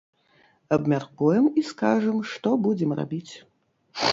Абмяркуем і скажам, што будзем рабіць.